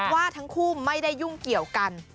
ว่าทั้งคู่ไม่ได้ยุ่งเกี่ยวกัน